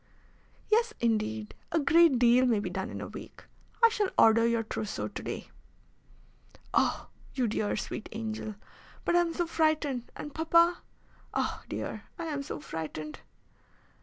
"Yes indeed. A great deal may be done in a week. I shall order your trousseau to day." "Oh! you dear, sweet angel! But I am so frightened! And papa? Oh! dear, I am so frightened!"